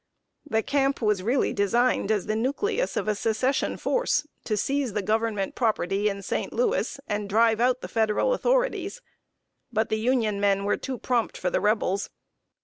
The camp was really designed as the nucleus of a Secession force, to seize the Government property in St. Louis and drive out the Federal authorities. But the Union men were too prompt for the Rebels.